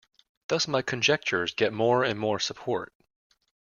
Thus my conjectures get more and more support.